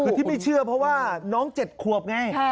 คือที่ไม่เชื่อเพราะว่าน้อง๗ขวบไง